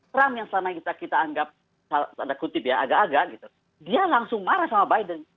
trump yang selama kita anggap agak agak dia langsung marah sama biden